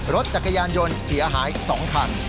รถจักรยานยนต์เสียหายอีก๒คัน